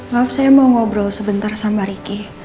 maaf saya mau ngobrol sebentar sama ricky